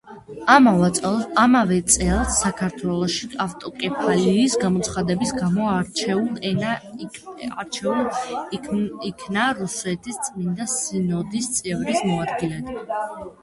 ამავე წელს, საქართველოში ავტოკეფალიის გამოცხადების გამო, არჩეულ იქნა რუსეთის წმინდა სინოდის წევრის მოადგილედ.